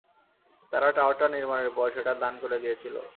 তারা টাওয়ারটা নির্মাণের পর সেটা দান করে দিয়েছিল।